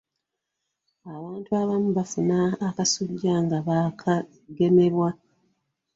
Abantu abamu bafuna akasujja nga baakagemebwa.